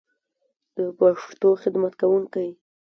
د پښتو خدمت کوونکی